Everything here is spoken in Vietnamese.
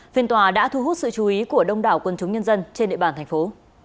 phiên tòa đã thu hút sự chú ý của đông đảo quân chúng nhân dân trên địa bàn thành phố